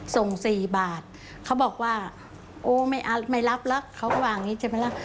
ส่ง๔บาทเขาบอกว่าโอ้ไม่รับแล้วเขาก็ว่าอย่างนี้ใช่ไหมล่ะ